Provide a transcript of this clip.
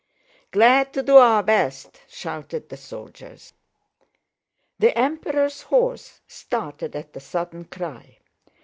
"Glad to do our best!" shouted the soldiers. The Emperor's horse started at the sudden cry.